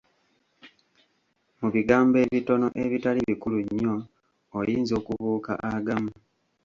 Mu bigambo ebitono ebitali bikulu nnyo oyinza okubuuka agamu.